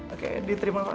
oke diterima pak silahkan